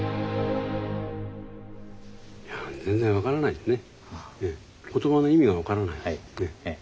いや全然分からないですね。